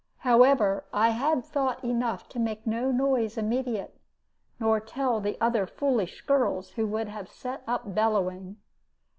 However, I had thought enough to make no noise immediate, nor tell the other foolish girls, who would have set up bellowing.